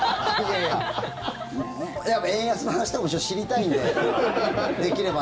いやいや円安の話とか知りたいので。